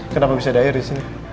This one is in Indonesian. kenapa bisa ada air disini